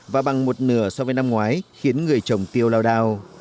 và bằng một nửa so với năm ngoái khiến người trồng tiêu lao đao